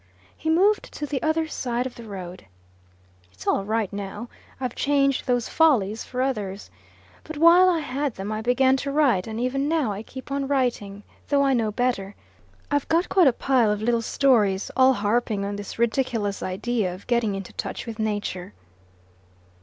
He moved to the other side of the road. "It's all right now. I've changed those follies for others. But while I had them I began to write, and even now I keep on writing, though I know better. I've got quite a pile of little stories, all harping on this ridiculous idea of getting into touch with Nature."